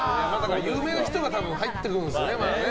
有名な人が入ってくるんですね。